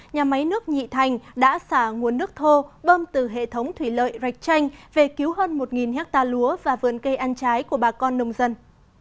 nhà máy nước nhị thành đã xả nguồn nước thô bơm từ hệ thống thủy lợi rạch chanh về cứu hơn một ha lúa và vườn cây ăn trái của bà con nông dân